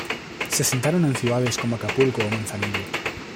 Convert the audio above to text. Se asentaron en ciudades como Acapulco o Manzanillo.